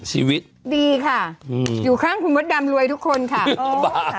ชีวิตดีค่ะอยู่ข้างคุณมดดำรวยทุกคนค่ะ